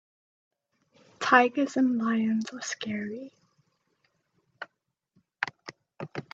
Tigers and lions are scary.